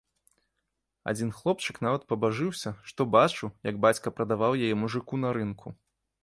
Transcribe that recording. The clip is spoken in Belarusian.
Адзін хлопчык нават пабажыўся, што бачыў, як бацька прадаваў яе мужыку на рынку.